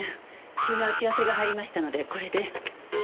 急な打ち合わせが入りましたのでこれで。